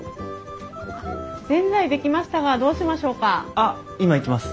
あっ今行きます。